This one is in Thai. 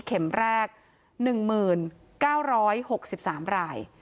เข็มแรก๑๙๖๓ราย